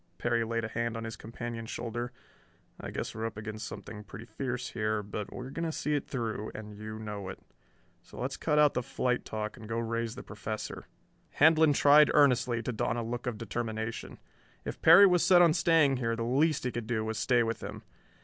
Perry laid a hand on his companion's shoulder. "I guess we're up against something pretty fierce here, but we're going to see it through, and you know it. So let's cut out the flight talk and go raise the Professor." Handlon tried earnestly to don a look of determination. If Perry was set on staying here the least he could do was stay with him.